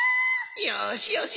よしよし。